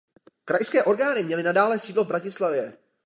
Krajské orgány měly nadále sídlo v Bratislavě.